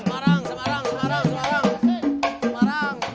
semarang semarang semarang